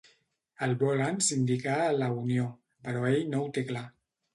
El volen sindicar a la Unió, però ell no ho té clar.